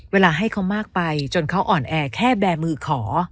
เวลาให้เขามากไปจนเขาอ่อนแอแค่แบร์มือขอ